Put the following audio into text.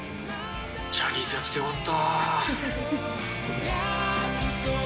ジャニーズやっててよかった。